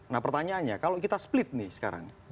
nah pertanyaannya kalau kita split nih sekarang